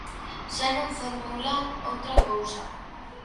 Xa non formulan outra cousa.